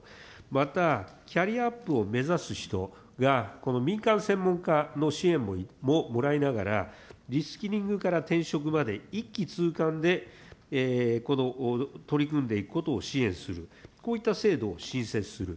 またキャリアアップを目指す人が民間専門家の支援ももらいながら、リスキリングから転職まで一気通貫で取り組んでいくことを支援する、こういった制度を新設する。